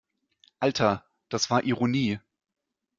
Alter, das war Ironie!